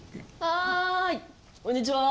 はいこんにちは！